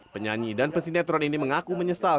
penyanyi dan pesinetron ini mengaku menyesal